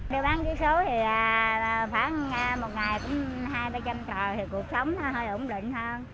để bán vé số thì khoảng một ngày cũng hai trăm linh ba trăm linh trò thì cuộc sống nó hơi ổn định hơn